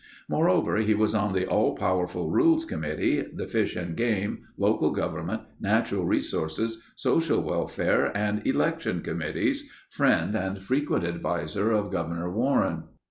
Moreover he was on the all powerful Rules Committee, the Fish and Game, Local Government, Natural Resources, Social Welfare, and Election Committees, friend and frequent adviser of Governor Warren.